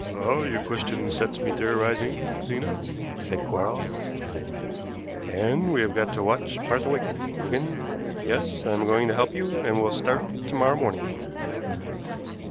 "Ah, your question sets me theorizing, Zena," said Quarles, "and we have got to watch Martha Wakeling, Wigan. Yes, I am going to help you, and we'll start to morrow morning."